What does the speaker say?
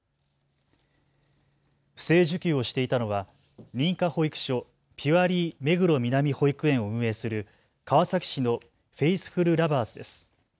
不正受給をしていたのは認可保育所ピュアリー目黒南保育園を運営する川崎市のフェイスフルラバーズです。